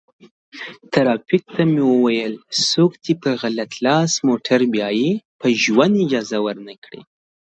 ترافیک ته مي ویل څوک دی په غلط لاس موټر بیایي.